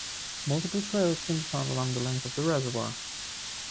Multiple trails can be found along the length of the reservoir.